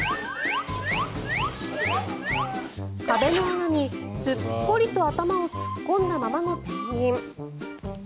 壁の穴にすっぽりと頭を突っ込んだままのペンギン。